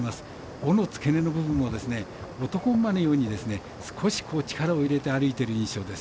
尾の付け根の部分も男馬みたいに少し、力を入れて歩いている印象です。